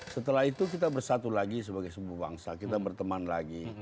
setelah itu kita bersatu lagi sebagai sebuah bangsa kita berteman lagi